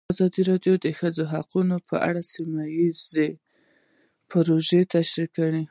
ازادي راډیو د د ښځو حقونه په اړه سیمه ییزې پروژې تشریح کړې.